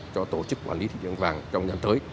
cho tổ chức quản lý thị trường vàng trong nhắm tới